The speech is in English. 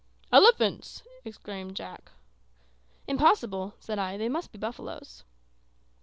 "Elephants!" exclaimed Jack. "Impossible," said I; "they must be buffaloes."